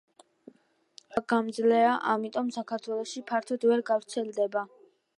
ნაკლებ ყინვაგამძლეა, ამიტომ საქართველოში ფართოდ ვერ გავრცელდება.